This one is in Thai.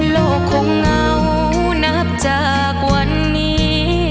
โลกคงเหงานับจากวันนี้